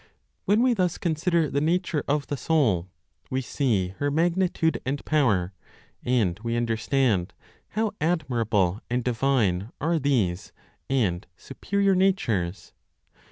When we thus consider the nature of the soul, we see her magnitude and power, and we understand how admirable and divine are these and superior natures.